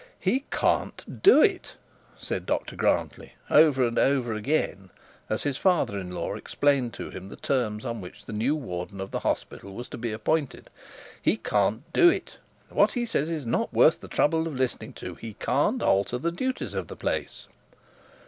'He can't do it,' said Dr Grantly over and over again, as his father in law explained to him the terms on which the new warden of the hospital was to be appointed; 'he can't do it. What he says is not worth the trouble of listening to. He can't alter the duties of the place.'